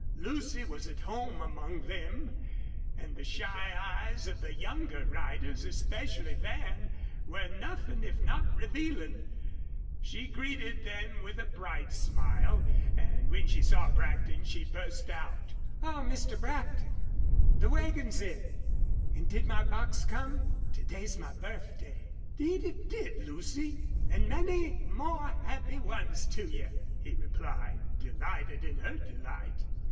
Lucy was at home among them, and the shy eyes of the younger riders, especially Van, were nothing if not revealing. She greeted them with a bright smile, and when she saw Brackton she burst out: "Oh, Mr. Brackton, the wagon's in, and did my box come? ... To day's my birthday." "'Deed it did, Lucy; an' many more happy ones to you!" he replied, delighted in her delight.